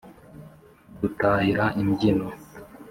dutahira imbyino